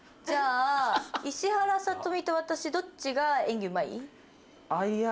じゃあ石原さとみと私どっちが演技うまい？